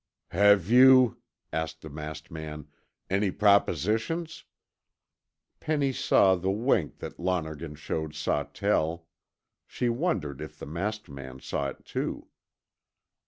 "Have you," asked the masked man, "any propositions?" Penny saw the wink that Lonergan showed Sawtell; she wondered if the masked man saw it too.